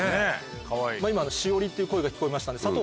今しおりっていう声が聞こえましたんで佐藤